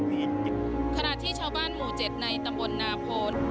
มีต้นคนที่จะสวัสดีครับ